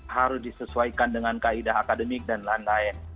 harus disesuaikan dengan kaedah akademik dan lain lain